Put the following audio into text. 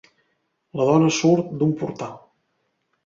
La dona surt d"un portal.